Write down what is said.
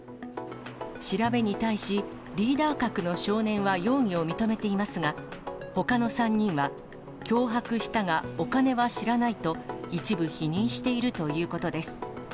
調べに対し、リーダー格の少年は容疑を認めていますが、ほかの３人は、脅迫したがお金は知らないと、一部否認しているということです。